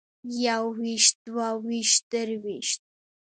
يوويشت دوويشت درويشت